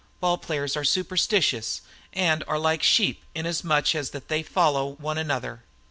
Ball players are superstitious, and are like sheep, inasmuch that they follow one another.